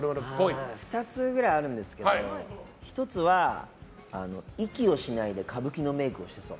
２つくらいあるんですけど１つは、息をしないで歌舞伎のメイクをしそう。